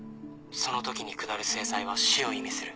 その時に下る制裁は死を意味する。